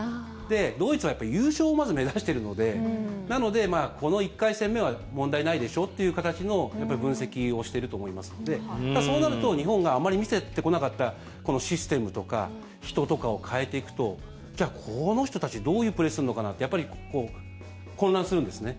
ドイツはやっぱり優勝を、まず目指しているのでなので、この１回戦目は問題ないでしょうという形の分析をしていると思いますのでそうなると日本があまり見せてこなかったシステムとか人とかを変えていくとじゃあ、この人たちどういうプレーするのかなってやっぱり混乱するんですね。